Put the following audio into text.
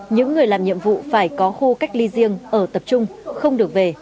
những người làm nhiệm vụ phải có khu cách ly riêng ở tập trung không được về